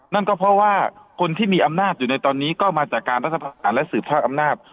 นั่นก็เพราะว่าคนที่มีอำนาจอยู่ในตอนนี้ก็มาจากการรัฐประหารและสืบภาคอำนาจ